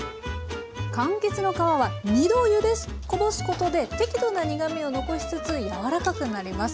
かんきつの皮は２度ゆでこぼすことで適度な苦みを残しつつ柔らかくなります。